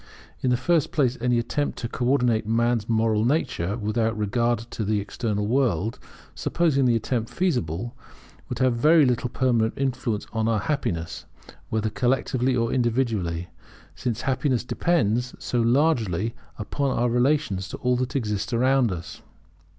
In the first place any attempt to co ordinate man's moral nature, without regard to the external world, supposing the attempt feasible, would have very little permanent influence on our happiness, whether collectively or individually; since happiness depends so largely upon our relations to all that exists around us.